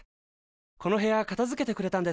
この部屋かたづけてくれたんですね。